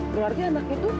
berarti anak itu